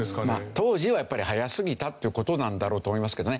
当時はやっぱり早すぎたっていう事なんだろうと思いますけどね。